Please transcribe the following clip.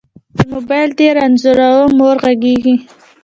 چې موبایل کې دې رنځوره مور غږیږي